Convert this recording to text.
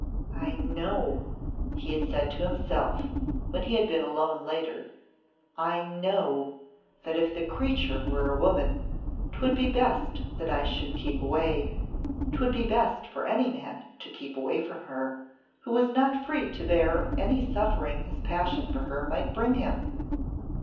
"I know," he had said to himself when he had been alone later; "I know that if the creature were a woman, 'twould be best that I should keep away 'twould be best for any man to keep away from her, who was not free to bear any suffering his passion for her might bring him.